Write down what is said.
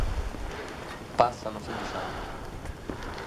Passano sedici anni.